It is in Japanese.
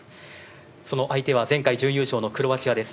その相手は前回準優勝のクロアチアです。